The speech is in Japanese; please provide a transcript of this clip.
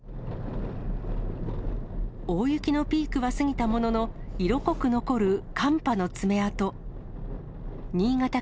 大雪のピークは過ぎたものの、色濃く残る寒波の爪痕。